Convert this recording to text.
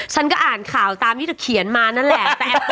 ฉันก็อ่านข่าวตามที่เธอเขียนมานั่นแหละ